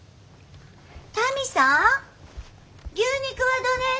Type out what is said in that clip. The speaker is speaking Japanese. タミさん。